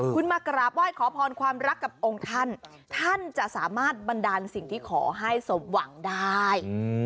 คุณมากราบไหว้ขอพรความรักกับองค์ท่านท่านจะสามารถบันดาลสิ่งที่ขอให้สมหวังได้